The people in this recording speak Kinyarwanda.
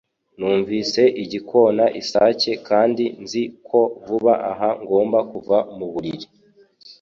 Numvise igikona isake kandi nzi ko vuba aha ngomba kuva muburiri